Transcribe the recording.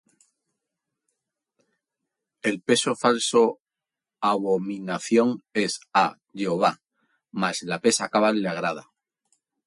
El peso falso abominación es á Jehová: Mas la pesa cabal le agrada.